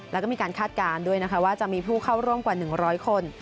แล้วก็มีการคาดการณ์ด้วยนะคะว่าจะมีผู้เข้าร่วมกว่า๑๐๐คน